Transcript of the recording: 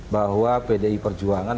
bahwa bdi perjuangan